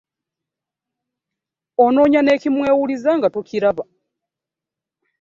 Onoonya n'ekimwewuliza nga tokiraba.